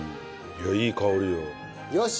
いやいい香りよ。